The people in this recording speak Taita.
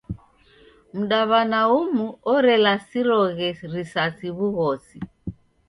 Mdaw'ana umu orelasiroghe risasi w'ugosi.